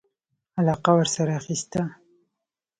علاقه ورسره اخیسته.